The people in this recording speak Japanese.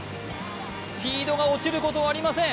スピードが落ちることはありません。